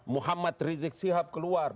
muhammad rizik sihab keluar